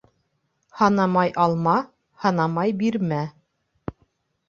Һанамай алма, һанамай бирмә.